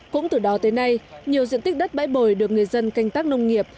cũng từ đó tới nay nhiều diện tích đất bãi bồi được người dân canh tác nông nghiệp